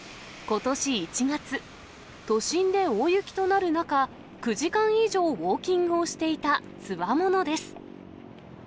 ことし１月、都心で大雪となる中、９時間以上ウォーキングをしていたつわものです。